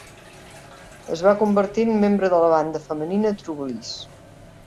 Es va convertir en membre de la banda femenina TrueBliss.